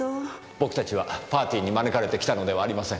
僕たちはパーティーに招かれて来たのではありません。